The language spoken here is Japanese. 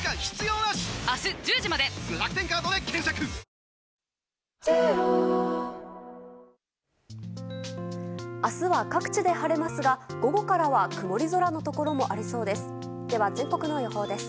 夕日が明日は各地で晴れますが午後からは曇り空のところもありそうです。